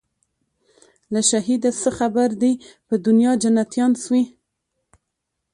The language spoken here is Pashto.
له شهیده څه خبر دي پر دنیا جنتیان سوي